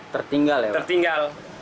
tertinggal ya tertinggal